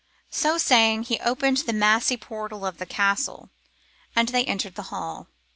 So saying, he opened the massy portal of the castle and they entered the hall.